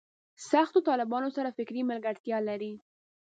سختو طالبانو سره فکري ملګرتیا لري.